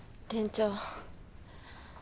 店長。